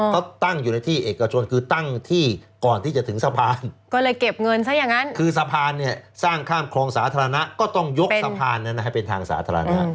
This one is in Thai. เขาตั้งอยู่ในที่เอกชนคือตั้งที่ก่อนที่จะถึงสะพานก็เลยเก็บเงินซะอย่างนั้นคือสะพานเนี่ยสร้างข้ามคลองสาธารณะก็ต้องยกสะพานนั้นให้เป็นทางสาธารณะ